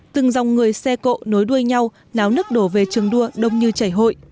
từng dòng người xe cộ nối đuôi nhau náo nước đổ về trường đua đông như chảy hội